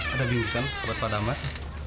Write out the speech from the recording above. ada bingung sama kabar padamat